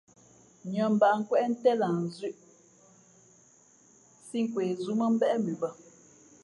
Nʉᾱ mbǎʼnkwéʼ ntén lah nzʉ̄ʼ sī nkwe zū mά mbéʼ mʉ bᾱ.